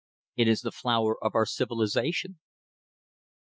It is the flower of our civilization."